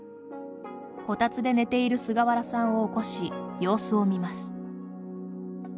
こたつで寝ている菅原さんを起こし、様子を見ます。